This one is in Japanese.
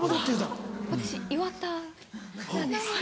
私岩田なんですね。